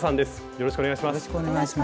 よろしくお願いします。